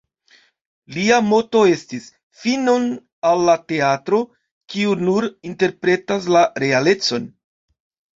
Lia moto estis: "„Finon al la teatro, kiu nur interpretas la realecon!